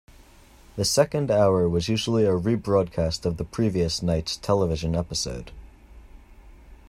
The second hour was usually a rebroadcast of the previous night's television episode.